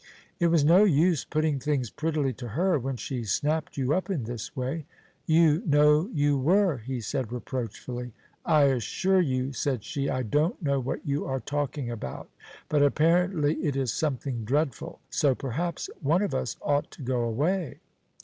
It was no use putting things prettily to her when she snapped you up in this way. "You know you were," he said reproachfully. "I assure you," said she, "I don't know what you are talking about, but apparently it is something dreadful; so perhaps one of us ought to go away."